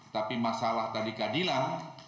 tapi masalah tadi keadilan